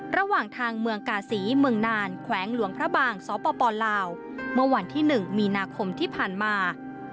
ระหว่างทางเมืองกาศีเมืองนานแขวงหลวงพระบางสปลาวเมื่อวันที่๑มีนาคมที่ผ่านมา